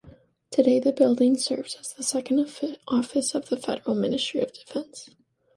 Today the building serves as second office of the Federal Ministry of Defence.